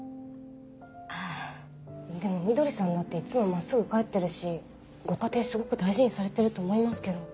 あぁでもみどりさんだっていつも真っすぐ帰ってるしご家庭すごく大事にされてると思いますけど。